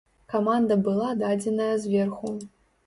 Каманда была дадзеная зверху.